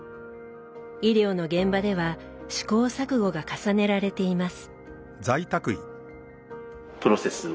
医療の現場では試行錯誤が重ねられています。